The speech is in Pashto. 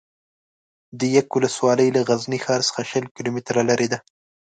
ده یک ولسوالي له غزني ښار څخه شل کیلو متره لري ده